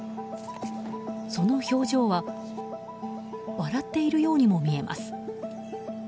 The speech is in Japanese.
その表情は笑っているようにも見えます。